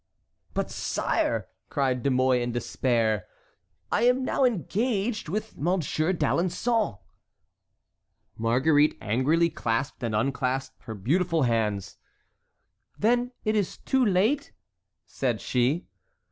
"But, sire," cried De Mouy in despair, "I am now engaged with Monsieur d'Alençon." Marguerite angrily clasped and unclasped her beautiful hands. "Then it is too late?" said she.